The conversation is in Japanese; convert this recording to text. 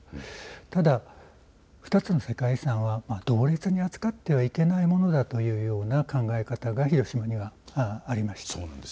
ただ、２つの世界遺産は同列に扱ってはいけないものだというような考え方が広島にはありました。